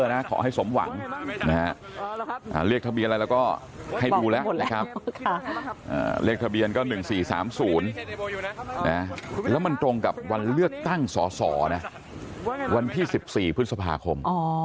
นายกคนที่๓๐เห็นไหม